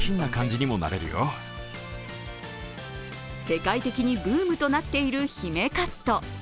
世界的にブームとなっている姫カット。